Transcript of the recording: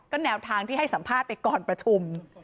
แนวทางที่ให้สัมภาษณ์ไปก่อนประชุม